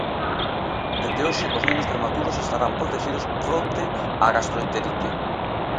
Dende hoxe os nenos prematuros estarán protexidos fronte á gastroenterite.